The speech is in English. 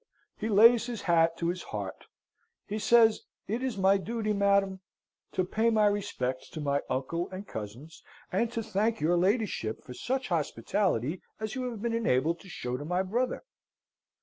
He lays his hat to his heart. He says, "It is my duty, madam, to pay my respects to my uncle and cousins, and to thank your ladyship for such hospitality as you have been enabled to show to my brother."